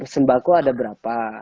sembako ada berapa